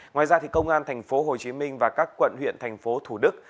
ngoài ra công an tp hcm và các quận huyện tp thủ đức